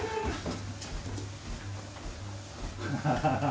ハハハハ！